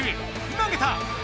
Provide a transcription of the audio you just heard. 投げた！